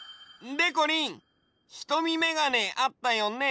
でこりんひとみメガネあったよね？